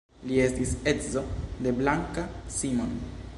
Li estis edzo de Blanka Simon.